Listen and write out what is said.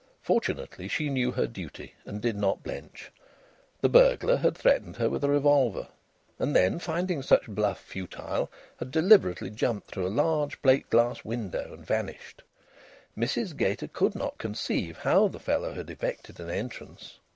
Fortunately she knew her duty, and did not blench. The burglar had threatened her with a revolver, and then, finding such bluff futile, had deliberately jumped through a large plate glass window and vanished. Mrs Gater could not conceive how the fellow had "effected an entrance."